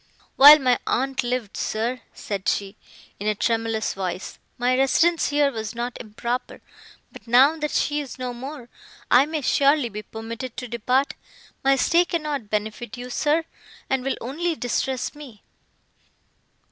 "While my aunt lived, sir," said she, in a tremulous voice, "my residence here was not improper; but now, that she is no more, I may surely be permitted to depart. My stay cannot benefit you, sir, and will only distress me."